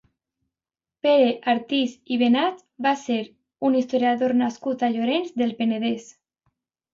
Pere Artís i Benach va ser un historiador nascut a Llorenç del Penedès.